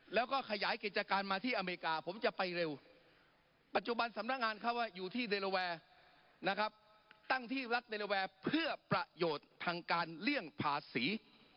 ตั้งที่รักในระวัยเพื่อประโยชน์ทางการเลี่ยงภาษี